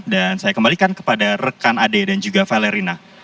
saya kembalikan kepada rekan ade dan juga valerina